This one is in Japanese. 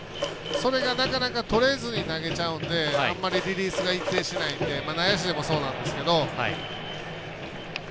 それがなかなかとれずに投げちゃうんであんまりリリースが一定しないんで内野手でもそうなんですけど。